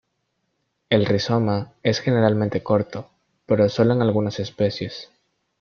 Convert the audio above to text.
El rizoma es generalmente corto, pero solo en algunas especies.